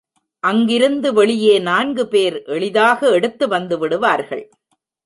அங்கிருந்து வெளியே நான்கு பேர் எளிதாக எடுத்து வந்து விடுவார்கள்.